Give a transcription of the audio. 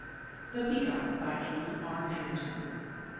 ] THE PEACOCK. ANNA R. HENDERSON.